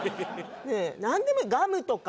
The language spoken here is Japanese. なんでもいいガムとか。